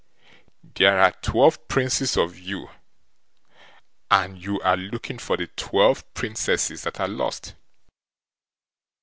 There are twelve Princes of you, and you are looking for the twelve Princesses that are lost.